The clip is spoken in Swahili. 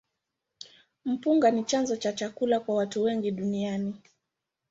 Mpunga ni chanzo cha chakula kwa watu wengi duniani.